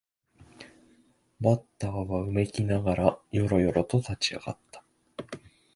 バッターはうめきながらよろよろと立ち上がった